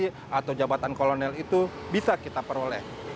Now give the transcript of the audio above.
maka bunga melati atau jabatan kolonel itu bisa kita peroleh